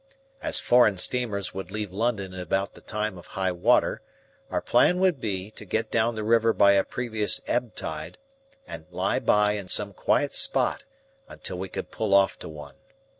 As foreign steamers would leave London at about the time of high water, our plan would be to get down the river by a previous ebb tide, and lie by in some quiet spot until we could pull off to one.